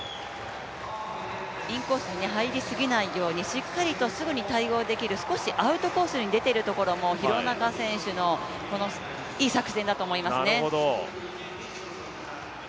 インコースに入りすぎないように、しっかりとすぐに対応できる、少しアウトコースに出ているところも廣中選手のいい作戦だと思います。